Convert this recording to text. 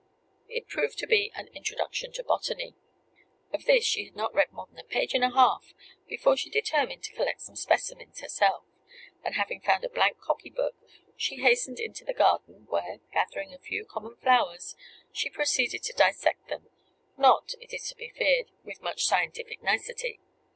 It proved to be "An Introduction to Botany." Of this she had not read more than a page and a half before she determined to collect some specimens herself; and having found a blank copy book she hastened into the garden, where, gathering a few common flowers, she proceeded to dissect them, not, it is to be feared, with much scientific nicety.